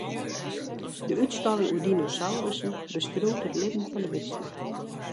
De útstalling oer dinosaurussen beskriuwt it libben fan de bisten.